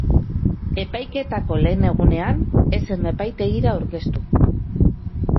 Epaiketako lehen egunean, ez zen epaitegira aurkeztu.